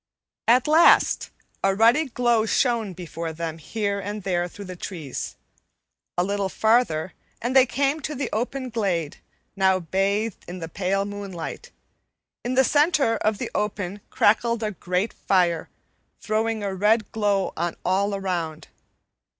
At last a ruddy glow shone before them here and there through the trees; a little farther and they came to the open glade, now bathed in the pale moonlight. In the center of the open crackled a great fire, throwing a red glow on all around.